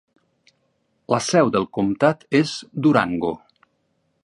La seu del comtat és Durango.